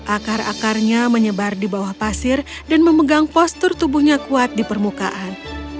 akar akarnya menyebar di bawah pasir dan memegang postur tubuhnya kuat di permukaan